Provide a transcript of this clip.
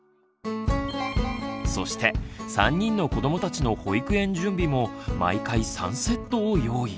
そして３人の子どもたちの保育園準備も毎回３セットを用意。